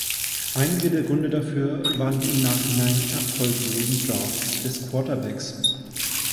Einer der Gründe dafür waren die im Nachhinein erfolglosen Drafts der Quarterbacks.